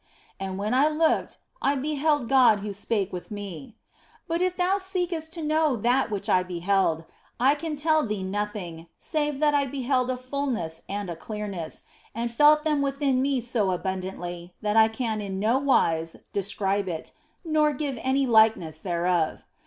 And when I looked, I beheld God who spake with me. But if thou seekest to know that which I beheld, I can tell thee nothing, save that I beheld a fulness and a clearness, and felt them within me so abundantly that I can in no wise describe it, nor give any likeness thereof.